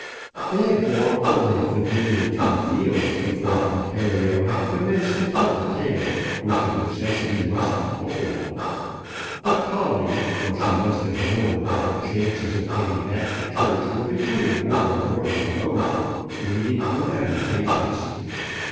They had walked the length of nearly two fields before Ontario had commenced to tell the tale which of necessity must be told; but Polly, though she must have known that her chances of getting back to church were becoming more and more remote, waited without impatience.